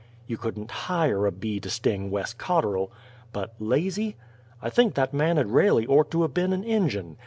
You couldn't hire a bee to sting Wes Cotterl! But lazy? I think that man had railly ort to 'a' been a' Injun!